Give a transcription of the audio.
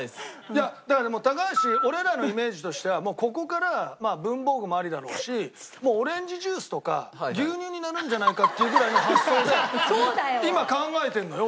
いやだからもう高橋俺らのイメージとしてはここからまあ文房具もありだろうしオレンジジュースとか牛乳になるんじゃないかっていうぐらいの発想で今考えてるのよ